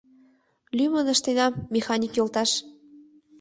— Лӱмын ыштенам, механик йолташ!